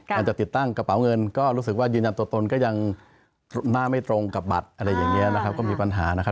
จะติดตั้งกระเป๋าเงินก็รู้สึกว่ายืนยันตัวตนก็ยังหน้าไม่ตรงกับบัตรอะไรอย่างนี้นะครับก็มีปัญหานะครับ